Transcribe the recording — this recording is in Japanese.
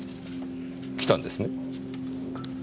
来たんですね。